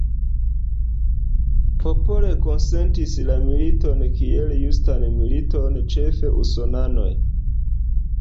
Popoloj konsentis la militon kiel justan militon, ĉefe usonanoj.